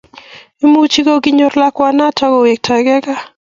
imuchi ko kikichor lakwanoto kowektogei gaa